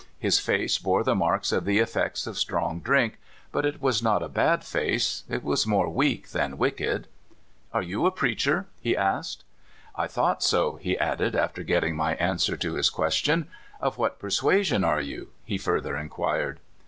His face bore the marks of the effects of strong drink, but it w^as not a bad face ; it was more weak than wicked. *'Are you a preacher? " he asked. '' I thought so," he added, after getting my an swer to his question. *' Of what persuasion are you? " he further inquired.